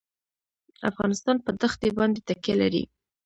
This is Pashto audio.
افغانستان په دښتې باندې تکیه لري.